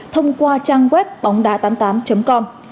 thông qua trang web bóngđá tám mươi tám com